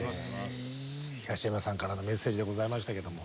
東山さんからのメッセージでございましたけども。